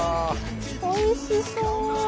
おいしそう。